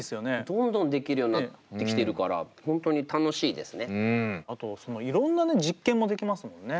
どんどんできるようになってきてるからあとそのいろんな実験もできますもんね。